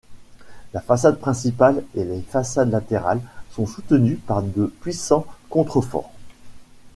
La façade principale et les façades latérales sont soutenues par de puissants contreforts.